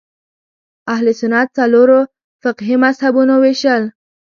اهل سنت څلورو فقهي مذهبونو وېشل